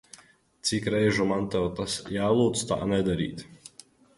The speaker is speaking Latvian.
Cik reižu man tev tas jālūdz tā nedarīt?